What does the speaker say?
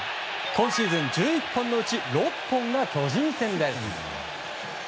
今シーズン１１本のうち６本が巨人戦です。